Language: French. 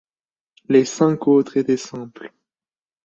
Les cinq autres étaient simples.